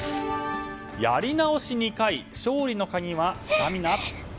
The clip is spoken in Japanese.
やり直し２回勝利の鍵はスタミナ？